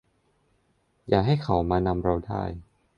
อย่าให้เขามานำเราได้